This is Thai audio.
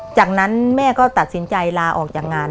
จากนั้นแม่ก็ตัดสินใจลาออกจากงาน